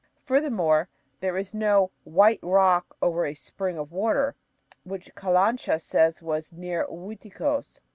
Furthermore, there is no "white rock over a spring of water" which Calancha says was "near Uiticos."